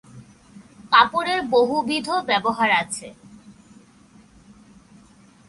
কাপড়ের বহুবিধ ব্যবহার আছে।